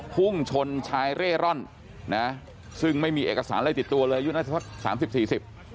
ภุ่งชนชายเร่ร่อนซึ่งไม่มีเอกสารอะไรติดตัวเลยยุทธศักดิ์๓๐๔๐